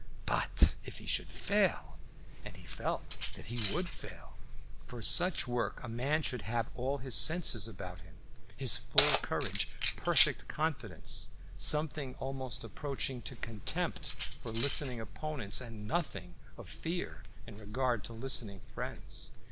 But if he should fail! And he felt that he would fail. For such work a man should have all his senses about him, his full courage, perfect confidence, something almost approaching to contempt for listening opponents, and nothing of fear in regard to listening friends.